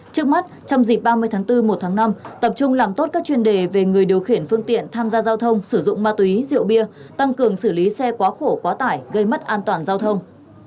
trước mắt trong dịp ba mươi tháng bốn một tháng năm tập trung làm tốt các chuyên đề về người điều khiển phương tiện tham gia giao thông sử dụng ma túy rượu bia tăng cường xử lý xe quá khổ quá tải gây mất an toàn giao thông